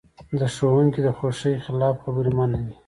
د ښوونکي د خوښې خلاف خبرې منع وې.